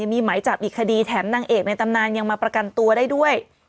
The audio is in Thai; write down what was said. มีหมายจับอีกคดีแถมนางเอกในตำนานยังมาประกันตัวได้ด้วย